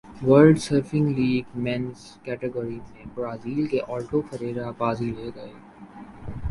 world surfing league men's category میں Brazil کے Italo Ferreira بازی لے گئے